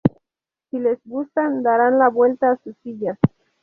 Si les gustan, darán la vuelta a sus sillas.